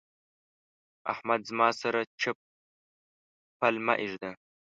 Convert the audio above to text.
احمده! زما سره چپ پل مه اېږده.